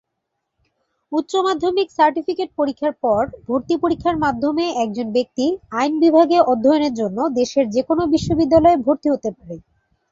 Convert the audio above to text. উচ্চমাধ্যমিক সার্টিফিকেট পরীক্ষার পর ভর্তি পরীক্ষার মাধ্যমে একজন ব্যক্তি আইন বিভাগে অধ্যয়নের জন্য দেশের যে কোনো বিশ্ববিদ্যালয়ে ভর্তি হতে পারে।